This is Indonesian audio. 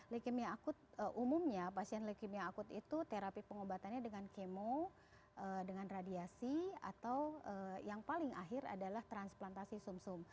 leukemia akut umumnya pasien leukemia akut itu terapi pengobatannya dengan kemo dengan radiasi atau yang paling akhir adalah transplantasi sum sum